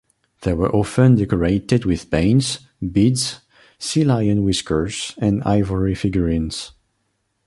They were often decorated with paints, beads, sea lion whiskers and ivory figurines.